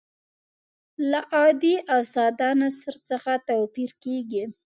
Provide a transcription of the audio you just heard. له عادي او ساده نثر څخه توپیر کیږي.